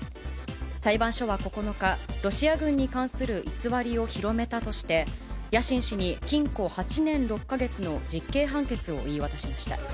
裁判所は９日、ロシア軍に関する偽りを広めたとして、ヤシン氏に禁錮８年６か月の実刑判決を言い渡しました。